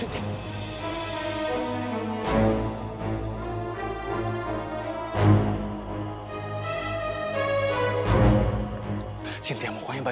tidak ada apa apa